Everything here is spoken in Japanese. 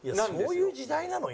そういう時代なの？